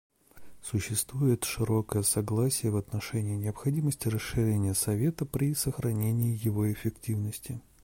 Существует широкое согласие в отношении необходимости расширения Совета при сохранении его эффективности.